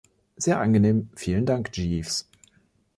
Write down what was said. Sehr angenehm, vielen Dank Jeeves.